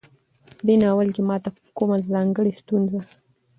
په دې ناول کې ماته کومه ځانګړۍ ستونزه